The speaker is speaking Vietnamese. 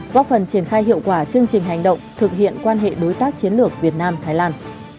góp phần triển khai hiệu quả chương trình hành động thực hiện quan hệ đối tác chiến lược việt nam thái lan